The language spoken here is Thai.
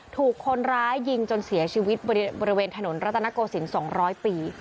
ถูกคนร้ายยิงจนเสียชีวิตบริเวณถนนรัตนโกศิลป์๒๐๐ปี